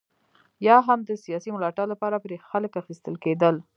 یا هم د سیاسي ملاتړ لپاره پرې خلک اخیستل کېدل.